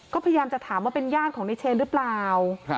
ก็พยายามจะถามว่าเป็นญาติของในเชนหรือเปล่า